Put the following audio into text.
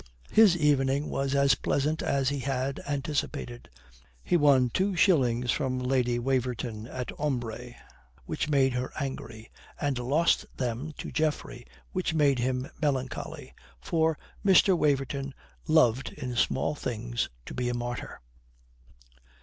His evening was as pleasant as he had anticipated. He won two shillings from Lady Waverton at ombre, which made her angry; and lost them to Geoffrey, which made him melancholy. For Mr. Waverton loved (in small things) to be a martyr.